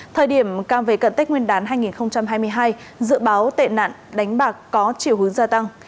thời điểm càng về cận tết nguyên đán hai nghìn hai mươi hai dự báo tệ nạn đánh bạc có chiều hướng gia tăng